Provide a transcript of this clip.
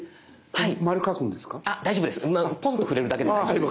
はい。